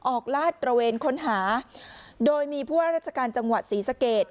ลาดตระเวนค้นหาโดยมีผู้ว่าราชการจังหวัดศรีสะเกด